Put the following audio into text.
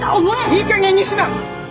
いいかげんにしな！